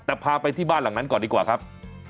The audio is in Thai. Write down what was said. แต่พาไปที่บ้านหลังนั้นก่อนดีกว่าครับ